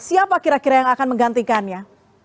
siapa kira kira yang akan menggantikannya